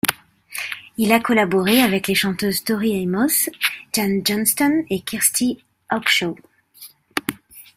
Il a collaboré avec les chanteuses Tori Amos, Jan Johnston et Kirsty Hawkshaw.